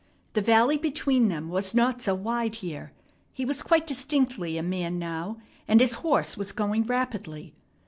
The valley between them was not so wide here. He was quite distinctly a man now, and his horse was going rapidly.